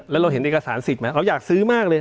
แล้วเราเห็นเอกสารสิทธิ์ไหมเราอยากซื้อมากเลย